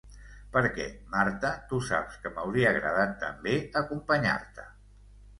Perquè, Marta, tu saps que m'hauria agradat també acompanyar-te!